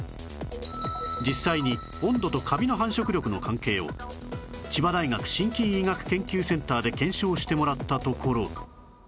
実際に温度とカビの繁殖力の関係を千葉大学真菌医学研究センターで検証してもらったところ